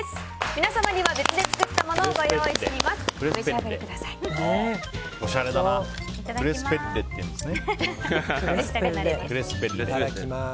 皆様には、別で作ったものをご用意しております。